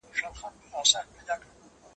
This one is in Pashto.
اردلیانو خبراوه له هر آفته